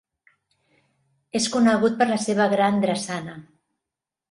Es conegut per la seva gran drassana.